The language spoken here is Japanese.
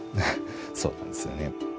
そうなんですよね。